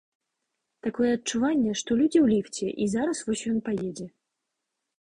Такое адчуванне, што людзі ў ліфце і зараз вось ён паедзе.